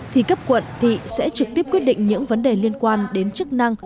thì cấp quận thị sẽ trực tiếp quyết định những vấn đề liên quan đến chức năng